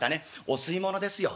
お吸い物ですよ。